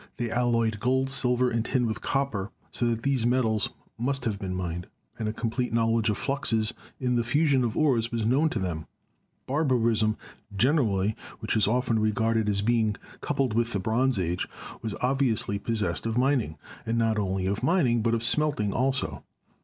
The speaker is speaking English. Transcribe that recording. They alloyed gold, silver and tin with copper, so that these metals must have been mined, and a complete knowledge of fluxes in the fusion of ores was known to them. Barbarism gen erally, which is often regarded as being coupled with the Bronze Age, was obviously possessed of mining, and not only of mining, but of smelting also.